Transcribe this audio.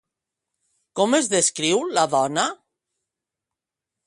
Com es descriu la dona?